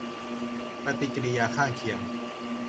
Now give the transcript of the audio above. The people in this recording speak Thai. ปฏิกิริยาข้างเคียง